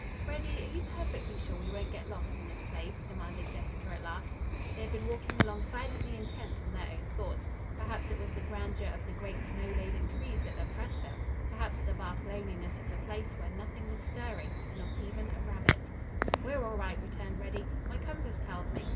"Reddy, are you perfectly sure we won't get lost in this place?" demanded Jessica at last. They had been walking along silently intent on their own thoughts. Perhaps it was the grandeur of the great snow laden trees that oppressed them; perhaps the vast loneliness of the place, where nothing was stirring, not even a rabbit. "We're all right," returned Reddy. "My compass tells me.